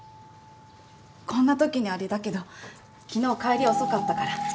こんなときにあれだけど昨日帰り遅かったから。